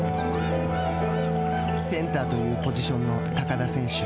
センターというポジションの高田選手。